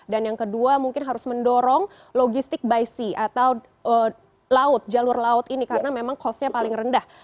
dan yang kedua mungkin harus mendorong logistik by sea atau jalur laut ini karena memang cost nya paling rendah